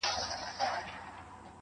مخامخ وتراشل سوي بت ته گوري.